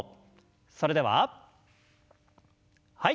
それでははい。